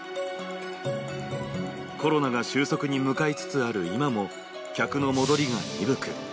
コロナが収束に向かいつつある今も客の戻りが鈍く。